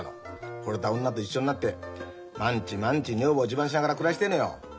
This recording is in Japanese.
ほれた女と一緒になって毎日毎日女房自慢しながら暮らしてえのよ。